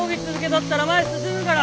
とったら前進むから。